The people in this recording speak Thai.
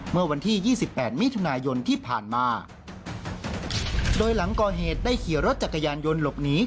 เมื่อวันที่ยี่สิบแปดมิถุนายนที่ผ่านมาโดยหลังก่อเหตุได้ขี่รถจักรยานยนต์หลบหนี